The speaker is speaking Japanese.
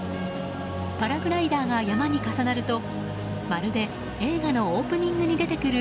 パラグライダーが山に重なるとまるで映画のオープニングに出てくる